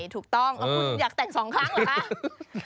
ถูกต้องอยากแต่งสองครั้งหรือเปล่า